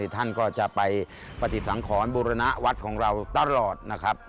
ท่านก็จะไปปฏิสังขรบูรณวัดของเราตลอดนะครับ